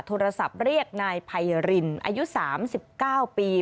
โทรศัพท์เรียกนายไพรินอายุ๓๙ปี